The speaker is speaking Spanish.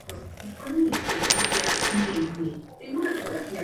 El ejercicio continuado de agitador social se tradujo para Alceo en varios destierros.